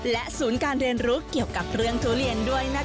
และศูนย์การเรียนรู้เกี่ยวกับเรื่องทุเรียนด้วยนะคะ